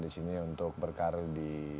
di sini untuk berkarir di